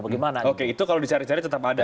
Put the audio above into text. bagaimana oke itu kalau dicari cari tetap ada